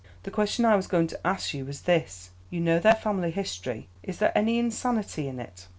The question I was going to ask you was this: You know their family history; is there any insanity in it?"